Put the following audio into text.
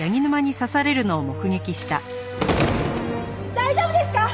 大丈夫ですか？